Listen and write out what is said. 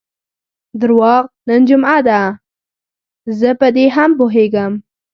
درواغ، نن جمعه ده، زه په دې هم پوهېږم.